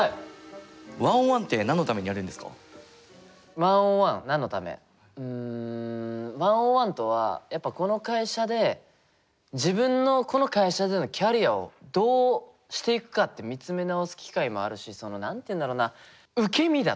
１ｏｎ１何のためうん１ｏｎ１とはやっぱこの会社で自分のこの会社でのキャリアをどうしていくかって見つめなおす機会もあるしその何て言うんだろうな。